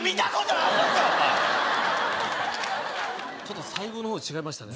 お前ちょっと最後のほう違いましたね